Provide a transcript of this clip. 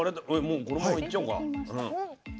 もうこのままいっちゃおうか。